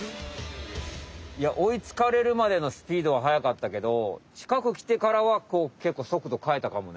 いや追いつかれるまでのスピードははやかったけどちかくきてからはこうけっこうそくど変えたかもね。